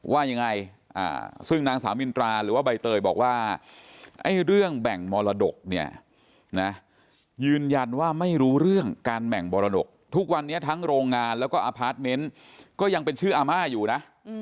ว่ายังไงซึ่งนางสามิลตราหรือว่าใบเตยบอกว่าไม่รู้เรื่องการแบ่งมรดกทุกวันนี้ทั้งโรงงานแล้วก็อพาร์ทเม้นท์ก็ยังเป็นชื่ออามาอยู่นะ